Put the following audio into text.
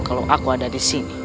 kalau aku ada disini